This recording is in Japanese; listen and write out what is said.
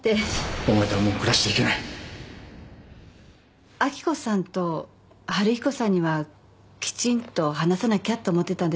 お前とはもう暮らしていけない明子さんと春彦さんにはきちんと話さなきゃと思ってたんですけど。